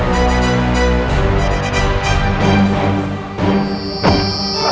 kau sudah pernah menemukan